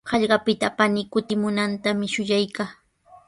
Hallqapita panii kutimunantami shuyaykaa.